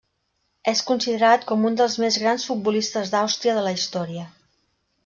És considerat com un dels més grans futbolistes d'Àustria de la història.